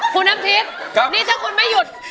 คุณน้ำทิพย์นี่ถ้าคุณไม่หยุด